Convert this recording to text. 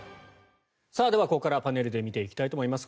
では、ここからはパネルで見ていきたいと思います。